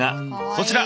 こちら！